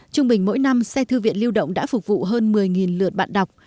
trung bình mỗi năm xe thư viện lưu động đã phục vụ hơn một mươi lượt bạn đọc